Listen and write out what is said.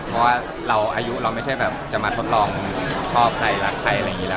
เพราะว่าเราอายุเราไม่ใช่แบบจะมาทดลองชอบใครรักใครอะไรอย่างนี้แล้ว